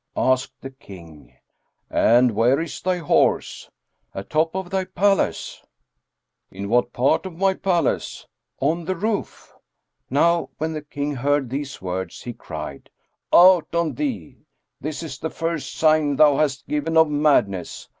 Asked the King, "And where is thy horse?" "Atop of thy palace." "In what part of my palace?" "On the roof." Now when the King heard these words, he cried, "Out on thee! this is the first sign thou hast given of madness.